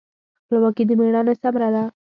خپلواکي د میړانې ثمره ده.